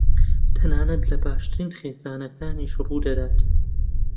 تەنانەت لە باشترین خێزانەکانیش ڕوودەدات.